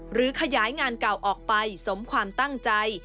หรือขยายงานเก่าออกไปสมความตั้งใจ